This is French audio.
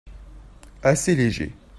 Assez léger.